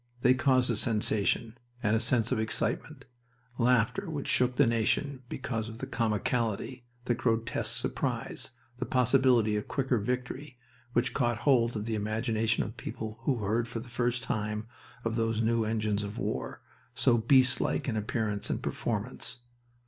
They caused a sensation, a sense of excitement, laughter which shook the nation because of the comicality, the grotesque surprise, the possibility of quicker victory, which caught hold of the imagination of people who heard for the first time of those new engines of war, so beast like in appearance and performance.